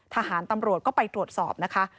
ทหารตำรวจก็ไปตรวจสอบนะคะ